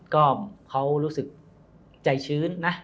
ก็เขารู้สึกใจชื้นนะ